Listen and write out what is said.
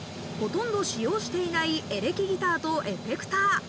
ほとんど使用していないエレキギターとエフェクター。